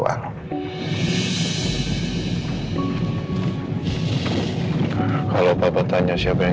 yang ada hubungannya dengan